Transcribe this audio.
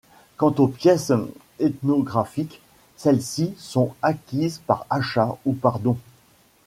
Quant aux pièces ethnographiques, celles-ci sont acquises par achat ou par dons.